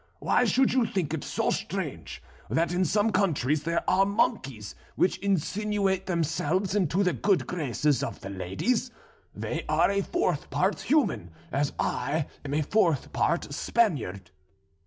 Why should you think it so strange that in some countries there are monkeys which insinuate themselves into the good graces of the ladies; they are a fourth part human, as I am a fourth part Spaniard."